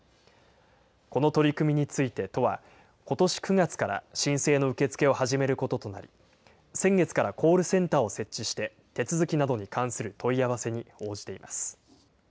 この取り組みについて都は、ことし９月から申請の受け付けを始めることとなり、先月からコールセンターを設置して、手続きなどに関する問い合わせに応じています。